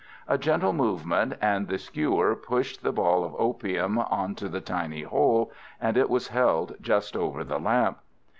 A gentle movement, and the skewer pushed the ball of opium on to the tiny hole, and it was held just over the lamp.